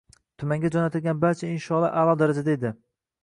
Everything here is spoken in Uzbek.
Tumanga jo‘natilgan barcha insholar a’lo darajada edi.